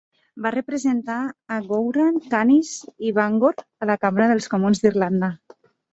Va representar a Gowran, Canice i Bangor a la Cambra dels Comuns d'Irlanda.